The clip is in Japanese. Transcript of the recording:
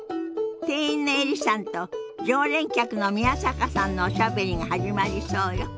店員のエリさんと常連客の宮坂さんのおしゃべりが始まりそうよ。